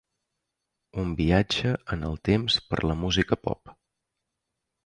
Un viatge en el temps per la música pop.